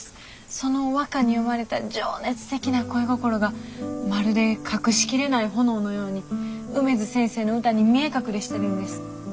その和歌に詠まれた情熱的な恋心がまるで隠しきれない炎のように梅津先生の歌に見え隠れしてるんです。